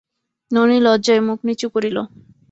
ননি লজ্জায় মুখ নিচু করিল।